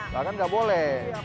nah kan nggak boleh